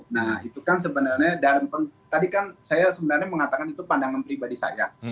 nah itu kan sebenarnya dan tadi kan saya sebenarnya mengatakan itu pandangan pribadi saya